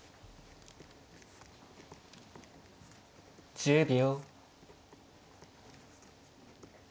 １０秒。